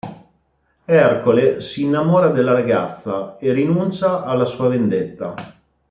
Ercole si innamora della ragazza e rinuncia alla sua vendetta.